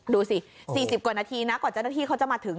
ดูสิ๔๐กว่านาทีนะกว่าเจ้าหน้าที่เขาจะมาถึง